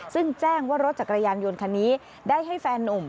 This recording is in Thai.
ซึ่งแจ้งว่ารถจักรยานยนต์คันนี้ได้ให้แฟนนุ่ม